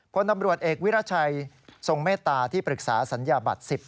พลตำรวจเอกวิรัชัยทรงเมตตาที่ปรึกษาสัญญาบัตร๑๐